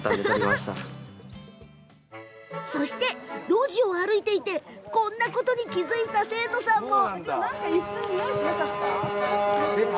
路地を歩いていてこんなことに気付いた生徒さんも。